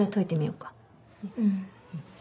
うん。